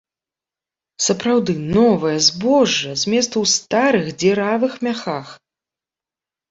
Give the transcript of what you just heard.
Сапраўды, новае збожжа зместу ў старых, дзіравых мяхах!